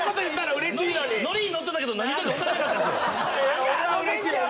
ノリに乗ってたけど何言うてるか分からなかったですよ。